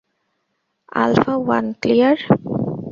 Alpha one, clear.